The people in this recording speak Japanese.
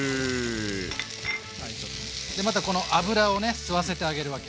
でまたこの脂をね吸わせてあげるわけ。